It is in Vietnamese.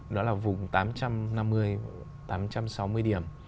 đó là vùng tám trăm năm mươi tám trăm sáu mươi điểm